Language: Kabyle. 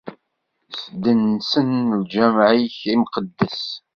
Sdensen lǧameɛ-ik imqeddes.